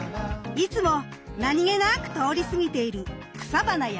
いつも何気なく通り過ぎている草花や木々。